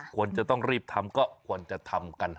ควรจะต้องรีบทำก็ควรจะทำกัน